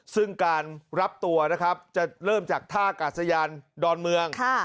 ซึ่งการรับตัวนะครับจะเริ่มจากท่ากาศยานดอนเมือง